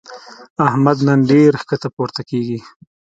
احمد نن ډېر ښکته پورته کېږي.